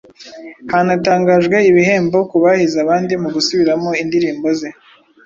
Hanatangajwe ibihembo ku bahize abandi mu gusubiramo indirimbo ze,